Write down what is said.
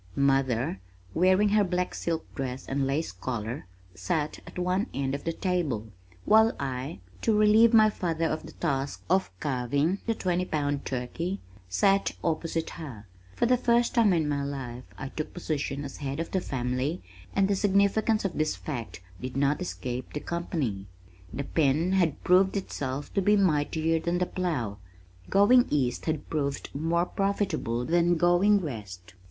Mother, wearing her black silk dress and lace collar, sat at one end of the table, while I, to relieve my father of the task of carving the twenty pound turkey, sat opposite her. For the first time in my life I took position as head of the family and the significance of this fact did not escape the company. The pen had proved itself to be mightier than the plow. Going east had proved more profitable than going west!